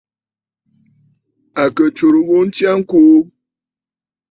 À kɨ tsurə ghu ntsya ŋkuu.